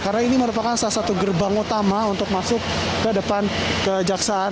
karena ini merupakan salah satu gerbang utama untuk masuk ke depan kejaksaan